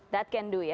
that can do ya